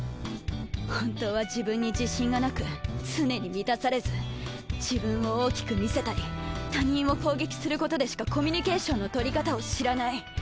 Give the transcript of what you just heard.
本当は自分に自信がなく常に満たされず自分を大きく見せたり他人を攻撃することでしかコミュニケーションの取り方を知らない。